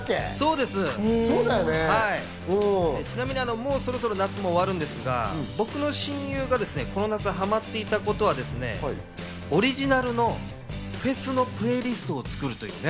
もうそろそろ夏も終わるんですが、僕の親友がこの夏はまっていたことはですね、オリジナルのフェスのプレイリストを作るというね。